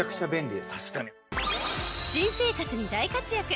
新生活に大活躍！